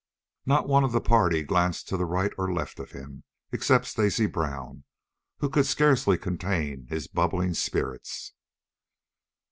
Not one of the party glanced to the right or left of him, except Stacy Brown, who could scarcely contain his bubbling spirits.